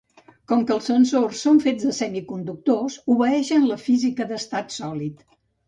Com que els sensors són fets de semiconductors obeeixen la física d'estat sòlid.